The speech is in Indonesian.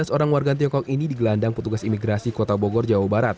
tiga belas orang warga tiongkok ini digelandang petugas imigrasi kota bogor jawa barat